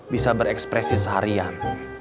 bisa berekspresi seharian